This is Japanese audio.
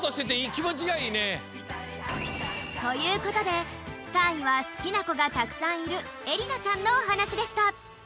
きもちがいいね！ということで３位は好きなこがたくさんいるえりなちゃんのおはなしでした